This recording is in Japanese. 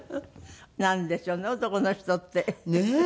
なんでしょうね男の人って。